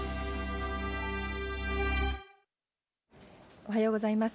おはようございます。